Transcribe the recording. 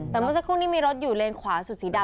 แต่เมื่อสักครู่นี้มีรถอยู่เลนขวาสุดสีดำ